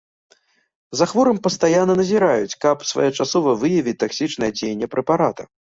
За хворым пастаянна назіраюць, каб своечасова выявіць таксічнае дзеянне прэпарата.